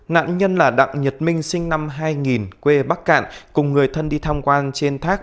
nạn nhân là đặng nhật minh sinh năm hai nghìn quê bắc cạn cùng người thân đi tham quan trên thác